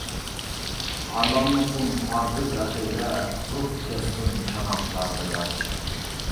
خارلانمىسۇن پاكىز ئەقىدە، قۇرۇپ كەتسۇن چاناقلاردا ياش.